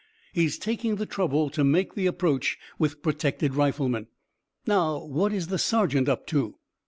He's taking the trouble to make the approach with protected riflemen. Now what is the sergeant up to?"